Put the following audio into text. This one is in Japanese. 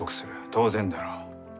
当然だろう？